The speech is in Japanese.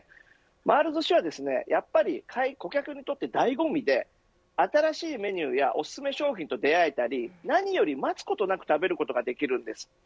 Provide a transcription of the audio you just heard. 回るすしは、やはり顧客にとって醍醐味で新しいメニューやおすすめ商品と出会えたり何より待つことなく食べることができるんです。